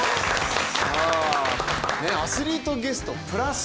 アスリートゲストプラス